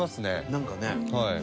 なんかね。